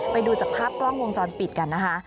ไปดูจากภาพกล้องวงจรปิดกันนะคะ